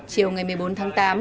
chiều ngày một mươi bốn tháng tám